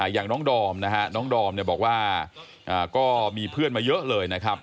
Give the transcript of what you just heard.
อย่างน้องดอมนะฮะน้องดอมบอกว่าก็มีเพื่อนมาเยอะเลยนะครับ